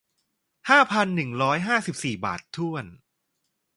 ห้าพันหนึ่งร้อยห้าสิบสี่บาทถ้วน